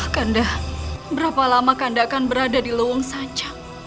kanda berapa lama kanda akan berada di luwung sanca